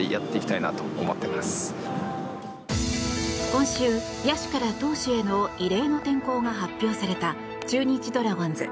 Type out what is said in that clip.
今週、野手から投手への異例の転向が発表された中日ドラゴンズ